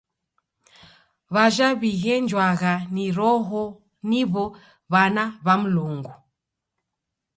W'aja w'ighenjwagha ni Roho niw'o w'ana w'a Mlungu.